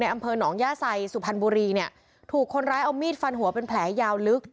อำเภอหนองย่าไซสุพรรณบุรีเนี่ยถูกคนร้ายเอามีดฟันหัวเป็นแผลยาวลึก